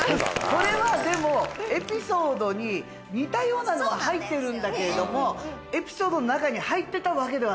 これはでもエピソードに似たようなのは入ってるんだけれども。